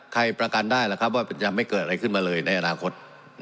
ใครประกันได้ล่ะครับว่าจะไม่เกิดอะไรขึ้นมาเลยในอนาคต